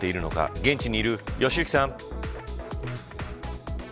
現地にいる良幸さん。